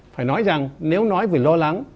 phải nói rằng nếu nói về lo lắng